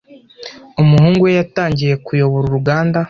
Umuhungu we yatangiye kuyobora uruganda.